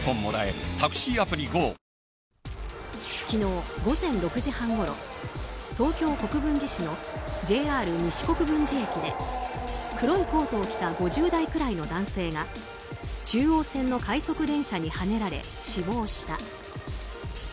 昨日午前６時半ごろ東京・国分寺市のＪＲ西国分寺駅で黒いコートを着た５０代くらいの男性が中央線の快速電車にはねられ死亡した。